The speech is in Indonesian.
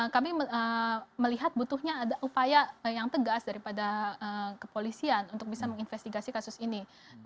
kami melihat butuhnya ada upaya yang tegas daripada kepolisian untuk bisa menginvestigasi kasus ini